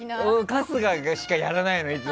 春日しかやらないの。